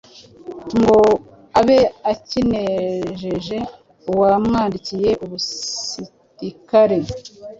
ngo abe akinejeje uwamwandikiye ubusirikare.